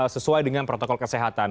sesuai dengan protokol kesehatan